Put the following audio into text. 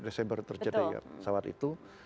desember terjadi sawat itu